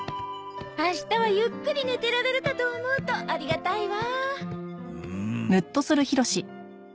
明日はゆっくり寝てられるかと思うとありがたいわ。